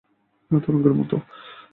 না, তরঙ্গের মতো।